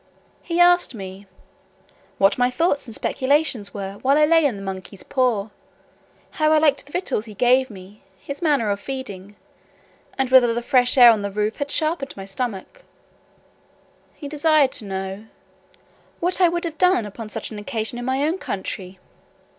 He asked me, "what my thoughts and speculations were, while I lay in the monkey's paw; how I liked the victuals he gave me; his manner of feeding; and whether the fresh air on the roof had sharpened my stomach." He desired to know, "what I would have done upon such an occasion in my own country."